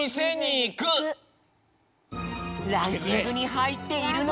ランキングにはいっているのか？